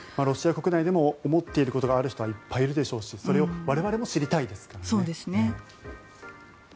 ロシア国内でも思っていることがある人はいっぱいいるでしょうしそれを我々も知りたいですからね。